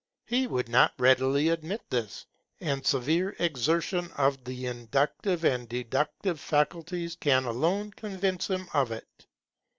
He would not readily admit this; and severe exertion of the inductive and deductive faculties can alone convince him of it.